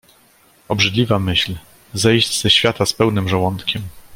"Obrzydliwa myśl: zejść ze świata z pełnym żołądkiem!"